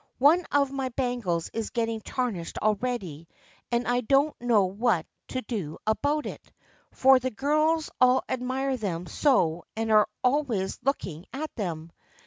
One of my bangles is getting tarnished already and I don't know what to do about it, for the girls all admire them so and are always looking at them.